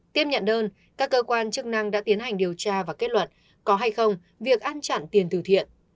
tiếp nhận đơn các cơ quan chức năng đã tiến hành điều tra và kết luận có hay không việc ăn chặn tiền từ thiện